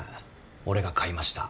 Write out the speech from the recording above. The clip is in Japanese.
「俺が買いました